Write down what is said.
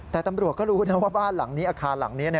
แต่ตำรวจก็รู้นะว่าบ้านหลังนี้อาคารหลังนี้